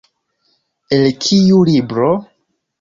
El kiu libro?